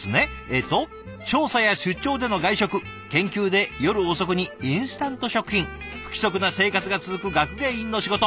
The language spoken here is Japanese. えっと「調査や出張での外食研究で夜遅くにインスタント食品不規則な生活が続く学芸員の仕事。